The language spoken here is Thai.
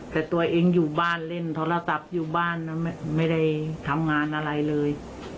แต่ตัวเองอยู่บ้านเล่นโทรศัพท์อยู่บ้านไม่ได้ทำงานอะไรเลย